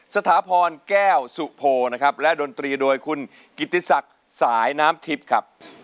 สายน้ำทิบครับ